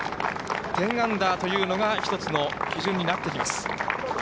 １０アンダーというのが一つの基準になってきます。